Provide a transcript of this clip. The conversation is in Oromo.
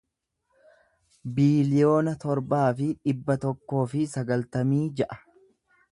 biiliyoona torbaa fi dhibba tokkoo fi sagaltamii ja'a